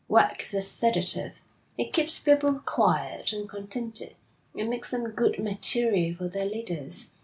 Work is a sedative. It keeps people quiet and contented. It makes them good material for their leaders.